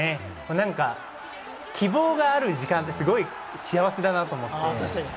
希望がある時間ってすごく幸せだなと思って。